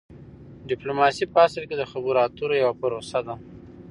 ډیپلوماسي په اصل کې د خبرو اترو یوه پروسه ده